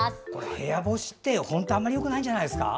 部屋干しって本当はあまりよくないんじゃないですか？